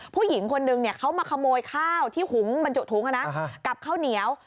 ผู้หญิงคนนึงเขามาขโมยข้าวที่หุงบรรจุถุงกับข้าวเหนียว